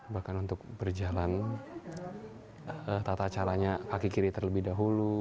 bahkan untuk berjalan tata caranya kaki kiri terlebih dahulu